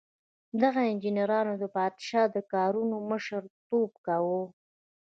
دغو انجینرانو د پادشاه د کارونو مشر توب کاوه.